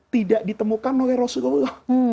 tidak ditemukan oleh rasulullah